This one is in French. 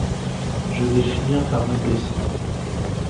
je vais finir par me blesser.